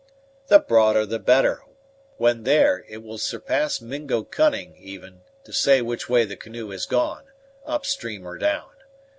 "The broader the better; when there, it will surpass Mingo cunning, even, to say which way the canoe has gone up stream or down.